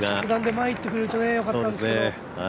前いってくれるとよかったんですけどね。